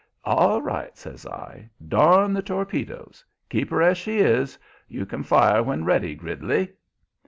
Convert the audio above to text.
"All right," says I. "Darn the torpedoes! Keep her as she is! You can fire when ready, Gridley!"